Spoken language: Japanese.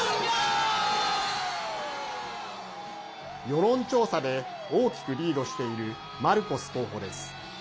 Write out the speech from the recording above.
世論調査で大きくリードしているマルコス候補です。